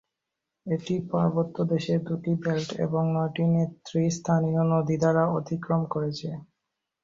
এটি পার্বত্য দেশের দুটি বেল্ট এবং নয়টি নেতৃস্থানীয় নদী দ্বারা অতিক্রম করেছে।